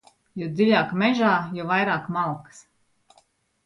Jo dziļāk mežā, jo vairāk malkas.